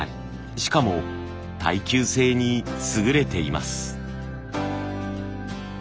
しかも耐久性に優れています。